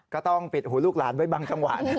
ก็ต้องปิดหูลูกหลานไว้บางจังหวะนะ